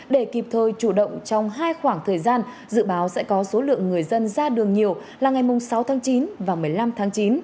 để kịp thời chủ động trong hai khoảng thời gian dự báo sẽ có số lượng người dân ra đường nhiều là ngày sáu tháng chín và một mươi năm tháng chín